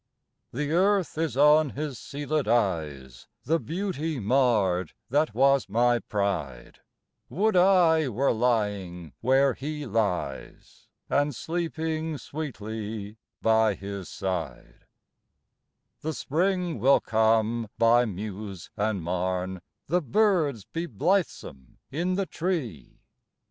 A GIRL S SONG 2J The earth is on his sealed eyes, The beauty marred that was my pride J Would I were lying where he lies, And sleeping sweetly by his side I The Spring will come by Meuse and Marne, The birds be blithesome in the tree.